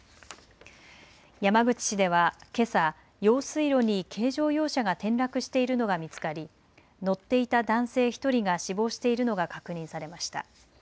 山口市ではけさ、用水路に軽乗用車が転落しているのが見つかり乗っていた男性１人が死亡しているのが確認されました。